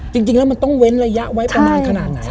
จริงแล้วมันต้องเว้นระยะไว้ไปนานขนาดไหน